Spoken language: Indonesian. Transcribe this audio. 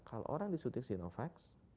kalau orang disuntik sinovac